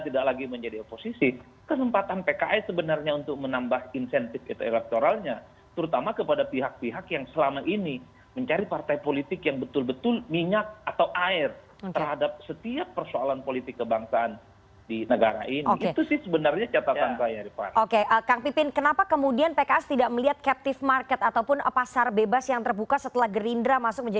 tidak seperti itu oposisi yang ingin dibangun